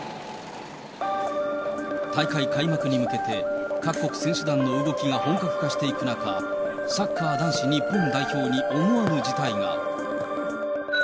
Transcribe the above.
大会開幕に向けて、各国選手団の動きが本格化していく中、サッカー男子日本代表に思わぬ事態が。